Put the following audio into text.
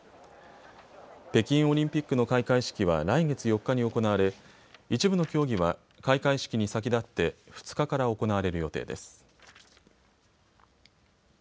北京オリンピックの開会式は来月４日に行われ一部の競技は開会式に先立って２日から行われる予定です。